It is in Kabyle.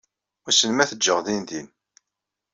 Wissen ma ad tejjey dindin.